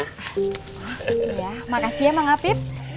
oh iya makasih ya mang afib